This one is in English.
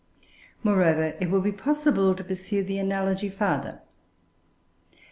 Moreover, it would be possible to pursue the analogy farther.